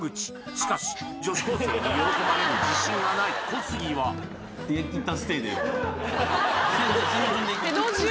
しかし女子高生に喜ばれる自信がない小杉は１３